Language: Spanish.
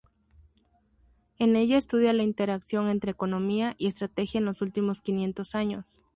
En ella estudia la interacción entre economía y estrategia en los últimos quinientos años.